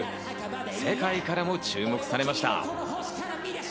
世界からも注目されました。